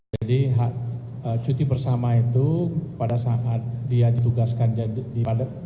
jadi cuti bersama itu pada saat dia ditugaskan di pelayanan umum